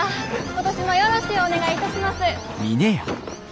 今年もよろしゅうお願いいたします。